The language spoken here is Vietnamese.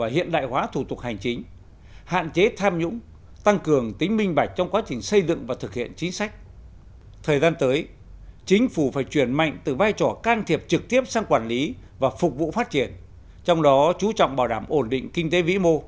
hãy đăng ký kênh để nhận thêm nhiều video mới nhé